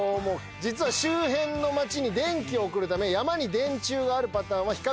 実は周辺の町に電気を送るため山に電柱があるパターンは比較的に多いそうです。